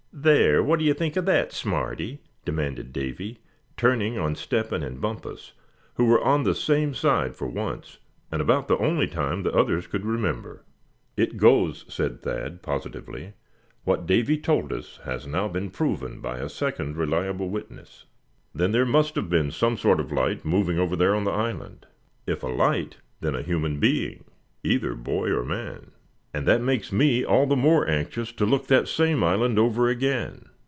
"There, what d'ye think of that, Smarty?" demanded Davy, turning on Step hen and Bumpus, who were on the same side for once, and about the only time the others could remember: "It goes," said Thad, positively. "What Davy told us has now been proven by a second reliable witness. Then there must have been some sort of light moving over there on the island. If a light, then a human being, either boy or man. And that makes me all the more anxious to look that same island over again.